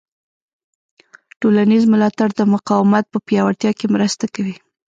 ټولنیز ملاتړ د مقاومت په پیاوړتیا کې مرسته کوي.